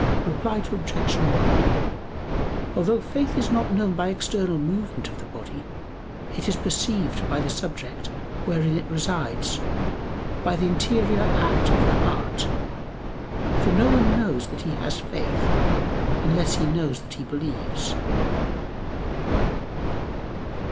Reply Obj. 1: Although faith is not known by external movement of the body, it is perceived by the subject wherein it resides, by the interior act of the heart. For no one knows that he has faith unless he knows that he believes.